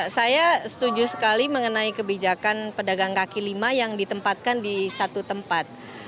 saya setuju sekali mengenai kebijakan pedagang kaki lima yang ditempatkan di satu tempat